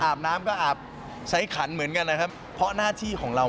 น้ำก็อาบใช้ขันเหมือนกันนะครับเพราะหน้าที่ของเรา